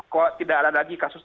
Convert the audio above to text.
kok tidak ada lagi kasus